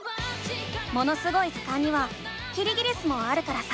「ものすごい図鑑」にはキリギリスもあるからさ